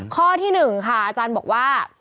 ข้อที่๑ค่ะอาจารย์บอกว่า